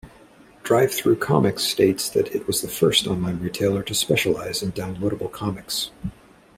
DriveThruComics states that it was the first online retailer to specialize in downloadable comics.